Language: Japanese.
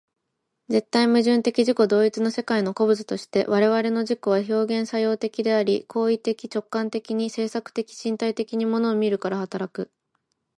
絶対矛盾的自己同一の世界の個物として、我々の自己は表現作用的であり、行為的直観的に制作的身体的に物を見るから働く。